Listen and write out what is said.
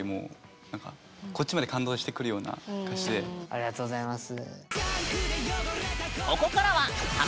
ありがとうございます。